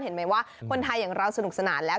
เห็นไหมว่าคนไทยอย่างเราสนุกสนานแล้ว